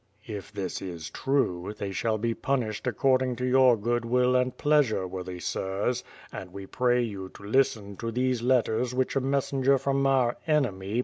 If this is true, they shall be punished according to your good will and pleasure, worthy sirs; and we pray you to listen to these letters which a messenger from our enemy.